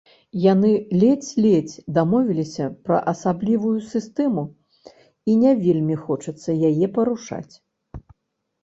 Яны ледзь-ледзь дамовіліся пра асаблівую сістэму і не вельмі хочацца яе парушаць.